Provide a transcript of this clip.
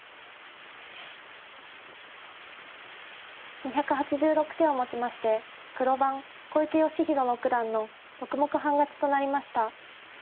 ２８６手をもちまして黒番小池芳弘六段の６目半勝ちとなりました。